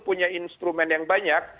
punya instrumen yang banyak